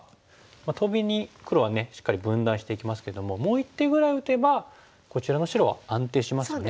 トビに黒はしっかり分断していきますけどももう一手ぐらい打てばこちらの白は安定しますよね。